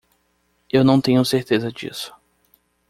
Eu não tenho certeza disso.